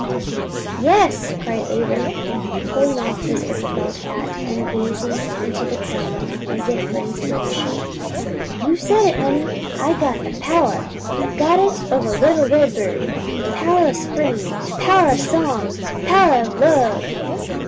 "Yes," cried Abram, pulling off his old felt hat, and gazing into the crown as if for inspiration. "You've said it, honey! I got the power! Got it of a little red bird! Power o' spring! Power o' song! Power o' love!